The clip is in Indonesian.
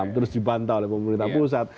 terus dibantah oleh pemerintah pusat